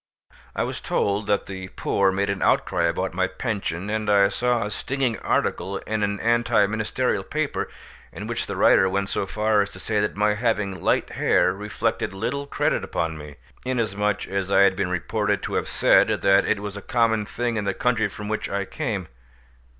I was told that the poor made an outcry about my pension, and I saw a stinging article in an anti ministerial paper, in which the writer went so far as to say that my having light hair reflected little credit upon me, inasmuch as I had been reported to have said that it was a common thing in the country from which I came.